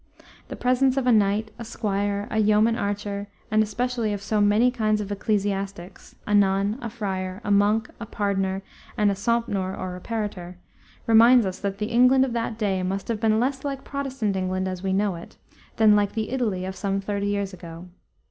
The presence of a knight, a squire, a yeoman archer, and especially of so many kinds of ecclesiastics, a nun, a friar, a monk, a pardoner, and a sompnour or apparitor, reminds us that the England of that day must have been less like Protestant England, as we know it, than like the Italy of some thirty years ago.